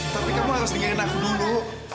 tapi kamu harus dengerin aku dulu